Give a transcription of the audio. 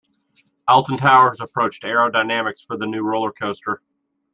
Alton Towers approached Arrow Dynamics for the new roller coaster.